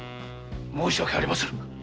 申し訳ありませぬ！